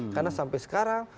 karena sampai sekarang